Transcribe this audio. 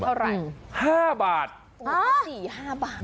เท่าไรอ่าห้าบาทอ๋อสี่ห้าบาท